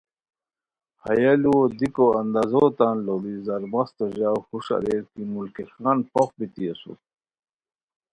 ہیہ لُوؤ دیکو اندازو تان لُوڑی زرمستو ژاؤ ہوُݰ اریر کی ملکی خان پھوخ بیتی اسور